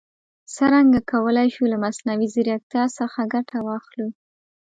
څرنګه کولای شو له مصنوعي ځیرکتیا څخه ګټه واخلو؟